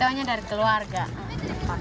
tahu hanya dari keluarga